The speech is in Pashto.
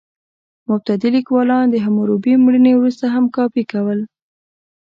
مبتدي لیکوالان د حموربي مړینې وروسته هم کاپي کول.